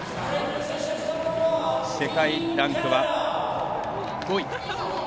世界ランクは５位。